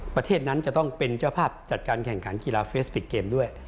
ประเทศนั้นจะต้องเป็นเจ้าภาพจัดการแข่งขันกีฬาเฟสปิกเกมด้วย